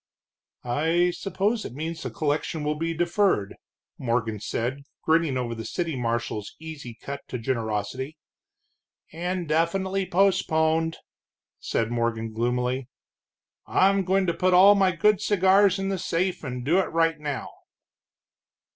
"I suppose it means that the collection will be deferred," Morgon said, grinning over the city marshal's easy cut to generosity. "Indefinitely postponed," said Conboy, gloomily. "I'm goin' to put all my good cigars in the safe, and do it right now."